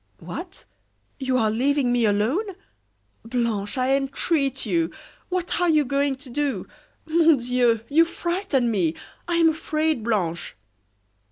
"What! you are leaving me alone? Blanche, I entreat you! What are you going to do? Mon Dieu! you frighten me. I am afraid, Blanche!"